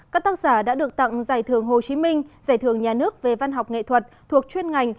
các tác giả đã được tặng giải thưởng hồ chí minh giải thưởng nhà nước về văn học nghệ thuật thuộc chuyên ngành